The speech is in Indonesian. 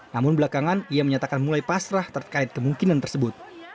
namun belakangan ia menyatakan mulai pasrah terkait kemungkinan tersebut